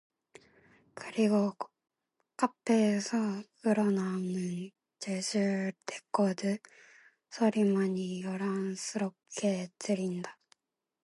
그리고 카페에서 흘러나오는 재즈 레코드 소리만이 요란스럽게 들린다.